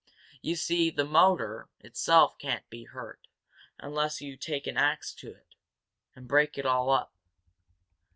"You see, the motor itself can't be hurt unless you take an axe to it, and break it all up.